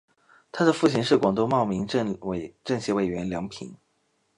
她的父亲是广东茂名政协委员梁平。